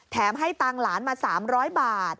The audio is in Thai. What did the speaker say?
ให้ตังค์หลานมา๓๐๐บาท